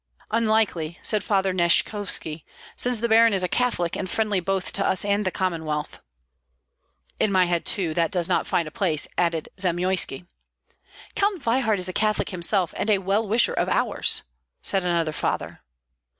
"Unlikely!" said Father Nyeshkovski, "since the baron is a Catholic and friendly both to us and the Commonwealth." "In my head too that does not find place," added Zamoyski. "Count Veyhard is a Catholic himself and a well wisher of ours," said another father.